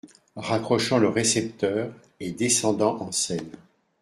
Raccrochant le récepteur et descendant en scène.